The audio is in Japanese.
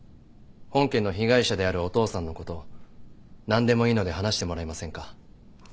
本件の被害者であるお父さんのことを何でもいいので話してもらえませんか。